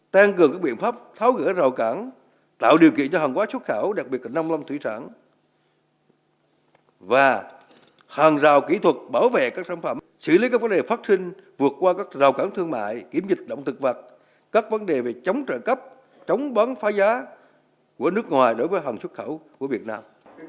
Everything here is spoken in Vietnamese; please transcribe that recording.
tăng cường các biện pháp tháo gỡ rào cản tạo điều kiện cho hàng quá xuất khẩu đặc biệt là năm lâm thủy sản và hàng rào kỹ thuật bảo vệ các sản phẩm xử lý các vấn đề phát sinh vượt qua các rào cản thương mại kiểm dịch động thực vật các vấn đề về chống trợ cấp chống bán phá giá của nước ngoài đối với hàng xuất khẩu của việt nam